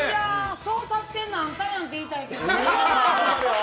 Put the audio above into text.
そうさせてんのはあんたやんって言いたいけどね。